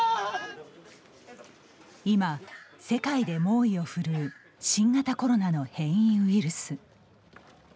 今、世界で猛威を振るう新型コロナの変異ウイルス。